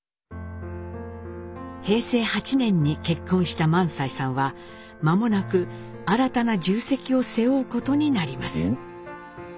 平成８年に結婚した萬斎さんはまもなく新たな重責を背負うことになります。